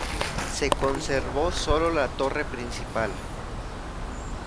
Se conservó sólo la torre principal.